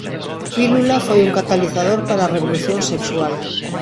A pílula foi un catalizador para a revolución sexual.